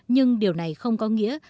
nhưng điều này không có nghĩa